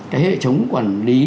cái hệ chống quản lý